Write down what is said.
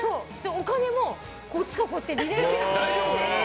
お金も、こっちからこうやってリレー形式で。